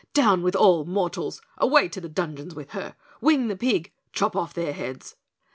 "Down with all mortals! Away to the dungeons with her! Wing that pig! Chop off their heads!"